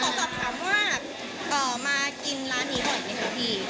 แล้วขอตอบคำว่าต่อมากินร้านนี้บ่อยไหมคะพี่